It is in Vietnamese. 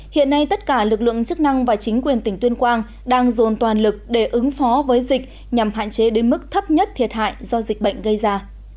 hiện nay tất cả lực lượng chức năng và chính quyền tỉnh tuyên quang đang dồn toàn lực để ứng phó với dịch nhằm hạn chế đến mức thấp nhất thiệt hại do dịch bệnh gây ra